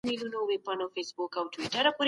یووالی تر تفرقې ډېر ځواک لري.